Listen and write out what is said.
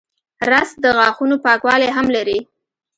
رس د غاښونو پاکوالی هم لري